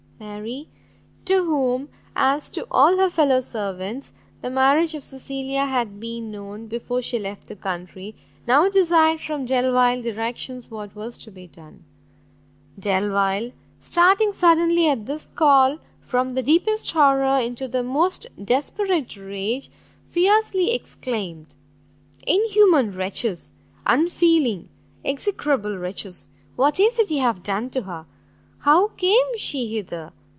Mary, to whom, as to all her fellow servants, the marriage of Cecilia had been known, before she left the country, now desired from Delvile directions what was to be done. Delvile, starting suddenly at this call from the deepest horror into the most desperate rage, fiercely exclaimed, "Inhuman wretches! unfeeling, execrable wretches, what is it you have done to her? how came she hither?